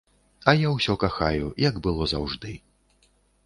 А я ўсё кахаю, як было заўжды.